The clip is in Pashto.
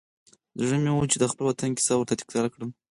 زړه مې و چې د خپل وطن کیسه ورته تکرار کړم.